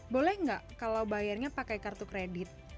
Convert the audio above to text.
boleh nggak kalau bayarnya pakai kartu kredit